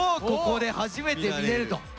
ここで初めて見れると。